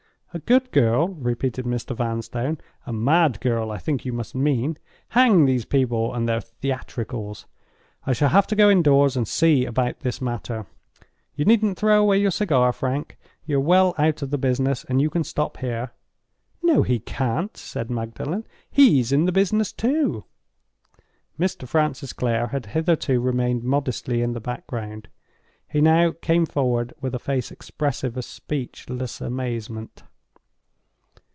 "A good girl?" repeated Mr. Vanstone—"a mad girl, I think you must mean. Hang these people and their theatricals! I shall have to go indoors and see about this matter. You needn't throw away your cigar, Frank. You're well out of the business, and you can stop here." "No, he can't," said Magdalen. "He's in the business, too." Mr. Francis Clare had hitherto remained modestly in the background. He now came forward with a face expressive of speechless amazement.